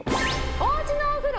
おうちのお風呂